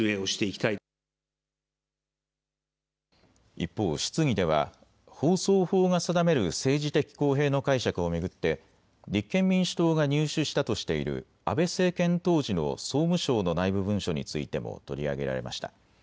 一方、質疑では放送法が定める政治的公平の解釈を巡って立憲民主党が入手したとしている安倍政権当時の総務省の内部文書についても取り上げられました。